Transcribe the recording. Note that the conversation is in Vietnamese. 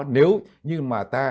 nếu như mà ta